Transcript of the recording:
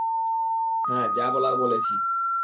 আমি যা বলার বলেছি!